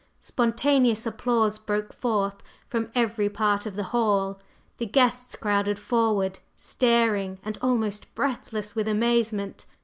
Spontaneous applause broke forth from every part of the hall; the guests crowded forward, staring and almost breathless with amazement.